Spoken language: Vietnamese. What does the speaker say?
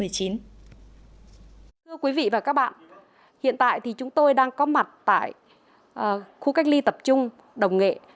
thưa quý vị và các bạn hiện tại thì chúng tôi đang có mặt tại khu cách ly tập trung đồng nghệ